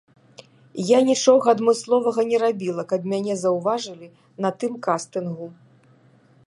Я нічога адмысловага не рабіла, каб мяне заўважылі на тым кастынгу.